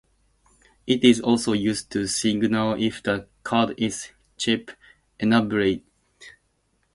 It is also used to signal if the card is chip-enabled.